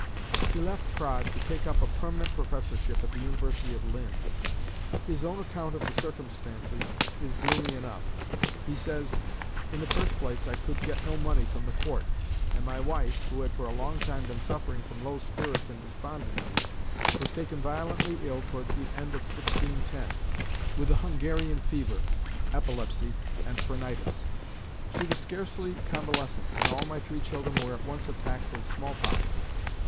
He left Prague to take up a permanent professorship at the University of Linz. His own account of the circumstances is gloomy enough. He says, "In the first place I could get no money from the Court, and my wife, who had for a long time been suffering from low spirits and despondency, was taken violently ill towards the end of 1610, with the Hungarian fever, epilepsy and phrenitis. She was scarcely convalescent when all my three children were at once attacked with smallpox.